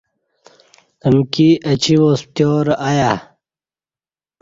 امکی اچی واس پتیارہ ایہ